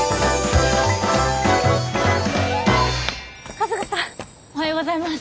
春日さんおはようございます。